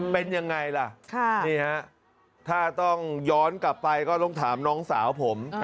เป็นยังไงล่ะนี่ฮะถ้าต้องย้อนกลับไปก็ต้องถามน้องสาวผม